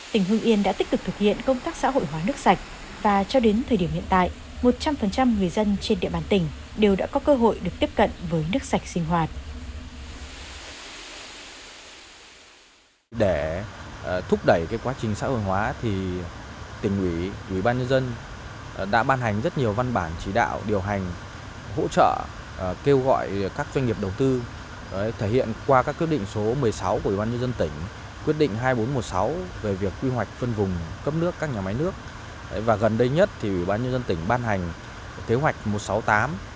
tỉnh hương yên đã tích cực thực hiện công tác xã hội hóa nước sạch và cho đến thời điểm hiện tại một trăm linh người dân trên địa bàn tỉnh đều đã có cơ hội được tiếp cận với nước sạch sinh hoạt